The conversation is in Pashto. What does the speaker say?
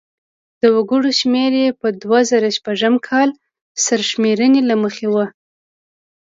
د وګړو شمېر یې په دوه زره شپږم کال سرشمېرنې له مخې و.